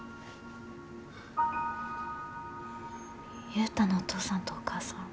悠太のお父さんとお母さん